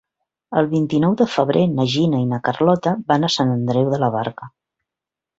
El vint-i-nou de febrer na Gina i na Carlota van a Sant Andreu de la Barca.